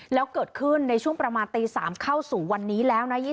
แล้วเกิดขึ้นในช่วงประมาณตี๓เข้าสู่วันนี้แล้วนะ